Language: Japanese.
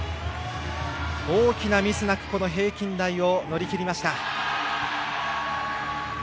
大きなミスなく平均台を乗り切りました。